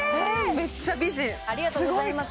めっちゃ美人ありがとうございます